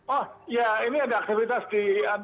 oh ya ini ada aktivitas di